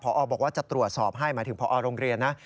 พอบอกว่าจะตรวจสอบให้หมายถึงพอโรงเรียนนะ